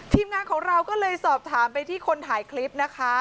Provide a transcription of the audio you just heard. ทีมงานของเราก็เลยสอบถามไปที่คนถ่ายคลิปนะคะ